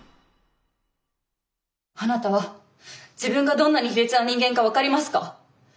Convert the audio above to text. あなたは自分がどんなに卑劣な人間か分かりますか？